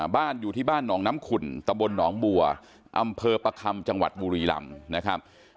บ้านอยู่ที่บ้านหนองน้ำขุ่นตะบลหนองบัวอำเภอประคำจังหวัดบุรีลำนะครับ